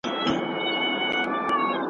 عدالت به موږ له کومه ځایه غواړو .